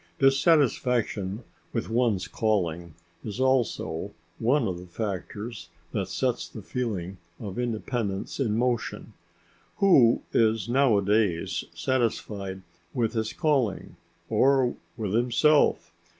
Dissatisfaction with one's calling is also one of the factors that sets the feeling for independence in motion. Who is nowadays satisfied with his calling, or with himself?!